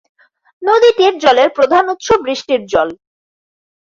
নদীটির জলের প্রধান উৎস বৃষ্টির জল।